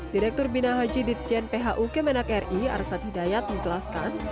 direktur bina haji ditjen phu kemenak ri arsad hidayat mengkelaskan